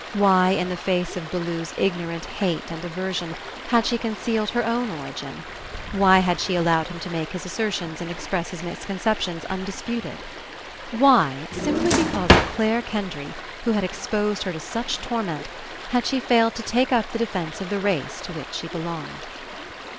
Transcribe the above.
Why, in the face of Bellew's ignorant hate and aversion, had she concealed her own origin? Why had she allowed him to make his assertions and express his misconceptions undisputed? Why, simply because of Clare Kendry, who had exposed her to such torment, had she failed to take up the defence of the race to which she belonged?